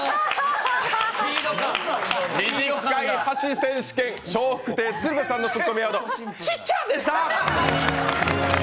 ２０回箸選手権、笑福亭鶴瓶さんのツッコミワード、「ちっちぇ」でした。